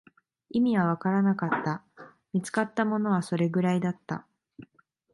意味はわからなかった、見つかったものはそれくらいだった